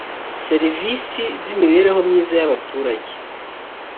serivisi z imibereho myiza y abaturage